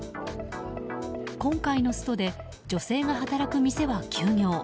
今回のストで女性が働く店は休業。